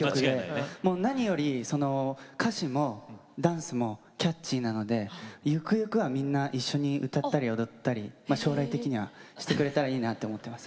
何より、歌詞もダンスもキャッチーなのでゆくゆくは、みんな一緒に歌ったり踊ったり将来的にはしてくれたらいいなと思っています。